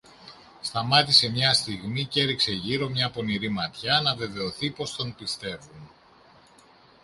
Σταμάτησε μια στιγμή κι έριξε γύρω μια πονηρή ματιά, να βεβαιωθεί πως τον πιστεύουν.